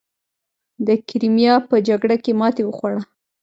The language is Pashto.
د کریمیا په جګړه کې ماتې وخوړه.